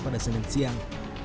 pada senin siang